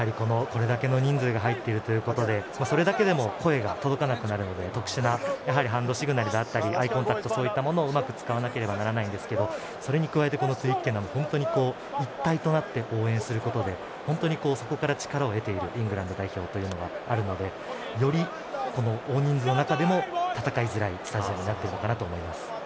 これだけの人数が入っているということでそれだけでも声が届かなくなるので特殊なハンドシグナルであったりアイコンタクトそういったものをうまく使わなければならないんですけどそれに加えてこのトゥイッケナム本当に一体となって応援することで本当にそこから力を得ているイングランド代表ではあるのでより、大人数の中でも戦いづらいスタジアムになっているかなと思います。